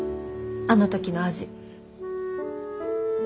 あの時の味。